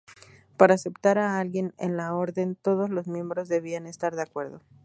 Para aceptar a alguien en la orden todos los miembros debían estar de acuerdo.